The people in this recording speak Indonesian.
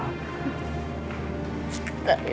tapi papa aku dia papa aku